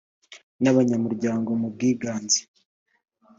n abanyamuryango mu bwiganze